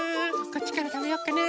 こっちからたべようかな。